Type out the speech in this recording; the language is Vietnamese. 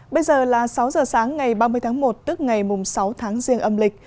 bây giờ là sáu giờ sáng ngày ba mươi tháng một tức ngày sáu tháng riêng âm lịch